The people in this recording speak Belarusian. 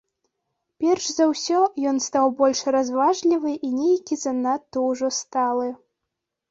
Перш за ўсё ён стаў больш разважлівы і нейкі занадта ўжо сталы.